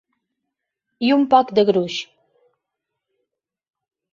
I un poc de gruix.